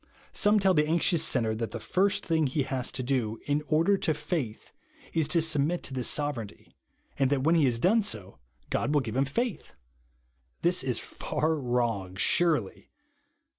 Some tell the anxious sinner that the first thing he has to do, in order to faith, is to submit to this sovereignty, and that when he lias done so, God will give him faith ! Thia is far wrong surely.